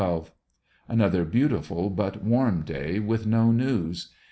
— Another beautiful but warm day with no news.